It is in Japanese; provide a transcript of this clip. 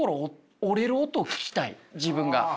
自分が。